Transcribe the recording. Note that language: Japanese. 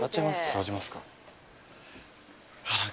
座りますか。